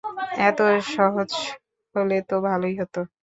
এতো সহজ হলে তো ভালোই হতো।